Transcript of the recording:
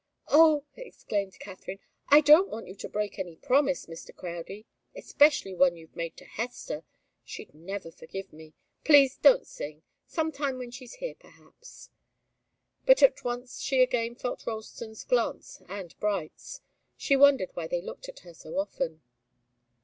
"Oh!" exclaimed Katharine, "I don't want you to break any promise, Mr. Crowdie especially one you've made to Hester. She'd never forgive me. Please don't sing some time when she's here perhaps " But at once she again felt Ralston's glance and Bright's. She wondered why they looked at her so often.